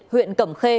huyện cẩm khê